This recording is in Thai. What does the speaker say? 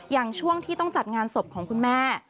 ช่วงที่ต้องจัดงานศพของคุณแม่